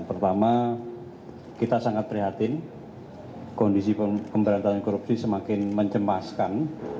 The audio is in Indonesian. pertama kita sangat prihatin kondisi pemberantasan korupsi semakin mencemaskan